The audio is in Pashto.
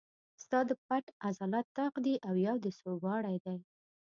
ستا دا پټ عضلات طاق دي او یو دې سوباړی دی.